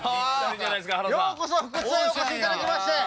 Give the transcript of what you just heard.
ようこそ福津へお越しいただきまして。